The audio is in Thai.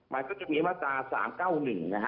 มันก็จะมีมาตรา๓๙๑นะฮะ